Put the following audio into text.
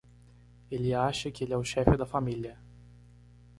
Ele acha que ele é o chefe da família.